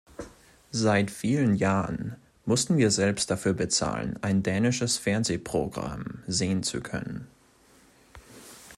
Seit vielen Jahren mussten wir selbst dafür bezahlen, ein dänisches Fernsehprogramm sehen zu können.